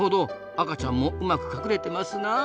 赤ちゃんもうまく隠れてますな。